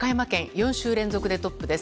４週連続でトップです。